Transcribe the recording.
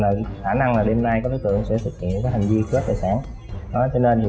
là khả năng là đêm nay các đối tượng sẽ thực hiện cái hành vi cướp tài sản đó cho nên